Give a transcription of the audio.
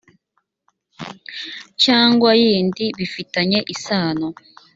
cyangwa y indi bifitanye isano